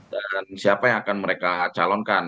dan siapa yang akan mereka calonkan